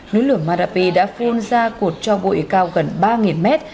núi lửa marapi đã phun ra cột cho bụi cao gần ba mét